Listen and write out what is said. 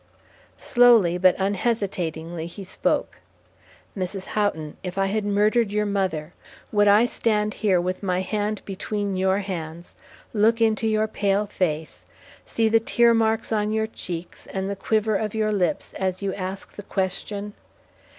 Slowly, but unhesitatingly, he spoke: "Mrs. Houghton, if I had murdered your mother, would I stand here with my hand between your hands, look into your pale face, see the tear marks on your cheeks, and the quiver of your lips as you ask the question?